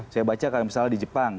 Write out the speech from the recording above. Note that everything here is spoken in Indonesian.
saya baca kalau misalnya di jepang